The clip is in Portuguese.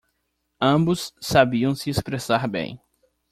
Ambos sabiam se expressar bem.